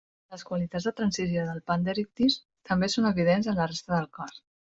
Les qualitats de transició de 'Panderichthys' també són evidents a la resta del cos.